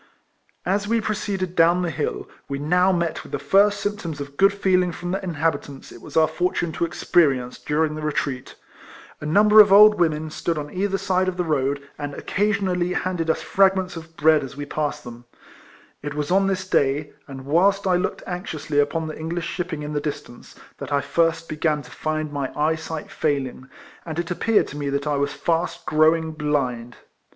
As we proceeded down the hill we now met with the first symptoms of good feeling from the inhabitants, it was our fortune to experience during our retreat. A number of old women stood on either side the road, RIFLEMAN HARRIS. 231 and occasionally handed us fragments of bread as we passed them. It was on this day, and whilst I looked anxiously upon the English shipping in the distance, that I first began to find my eyesight failing, and it appeared to me that I was fast growing blind.